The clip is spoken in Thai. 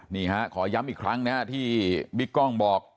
นี่ฮะขอย้ำอีกครั้งนะฮะที่บิ๊กกล้องบอก